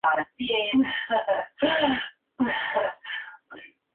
Fue quien introdujo la casa de los Habsburgo en territorios de la actual España.